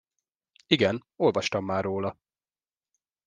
Igen, olvastam már róla.